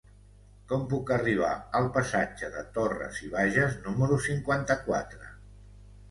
Com puc arribar al passatge de Torras i Bages número cinquanta-quatre?